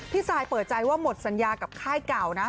ซายเปิดใจว่าหมดสัญญากับค่ายเก่านะ